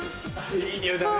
いい匂いだね。